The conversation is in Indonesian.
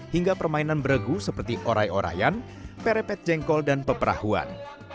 hingga permainan beregu seperti orai orayan perepet jengkol dan peperahuan